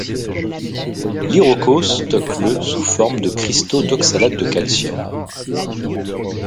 L'Iroko stocke le sous forme de cristaux d’oxalate de calcium.